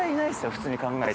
普通に考えて。